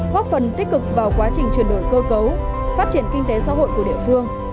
góp phần tích cực vào quá trình chuyển đổi cơ cấu phát triển kinh tế xã hội của địa phương